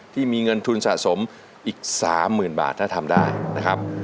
ที่มีเงินทุนสะสมอีก๓๐๐๐บาทถ้าทำได้นะครับ